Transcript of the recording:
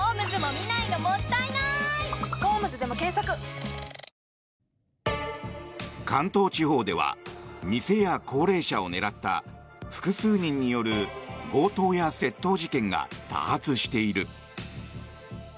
東京海上日動関東地方では店や高齢者を狙った複数人による強盗や窃盗事件が多発している。